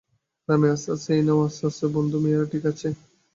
আরামে আস্তে আস্তে এই নাও আস্তে আস্তে, বন্ধু মেয়েরা ঠিক আছে?